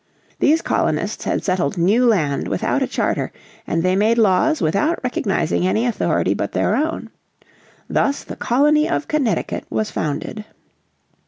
These colonists had settled new land without a charter, and they made laws without recognising any authority but their own. Thus the Colony of Connecticut was founded.